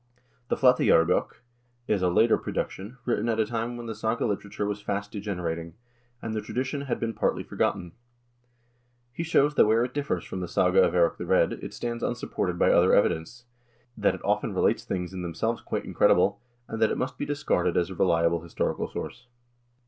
The "Flateyjarbok" is a later production, written at a time when the saga literature was fast de generating, and the tradition had been partly forgotten. He shows that where it differs from the "Saga of Eirik the Red" it stands unsupported by other evidence, that it often relates things in them selves quite incredible, and that it must be discarded as a reliable historical source.